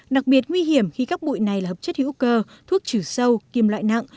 đặc biệt nguy hiểm khi các bụi này là hợp chất hữu cơ thuốc trừ sâu kim loại nặng